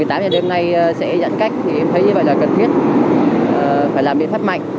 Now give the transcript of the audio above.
một mươi tám h đêm nay sẽ giãn cách em thấy như vậy là cần thiết phải làm biện pháp mạnh